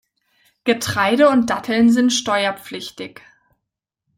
Getreide und Datteln sind steuerpflichtig.